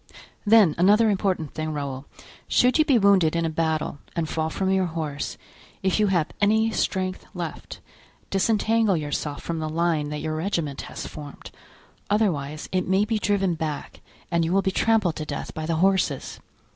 Then another important thing, Raoul: should you be wounded in a battle, and fall from your horse, if you have any strength left, disentangle yourself from the line that your regiment has formed; otherwise, it may be driven back and you will be trampled to death by the horses.